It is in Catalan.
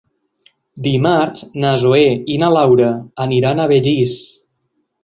Dimarts na Zoè i na Laura aniran a Begís.